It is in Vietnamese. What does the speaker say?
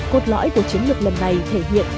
cột lõi của chiến lược lần này thể hiện